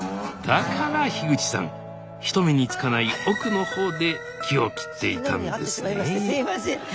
だから口さん人目につかない奥の方で木を切っていたんですね。